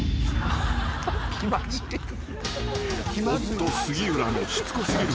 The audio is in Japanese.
［夫杉浦のしつこ過ぎる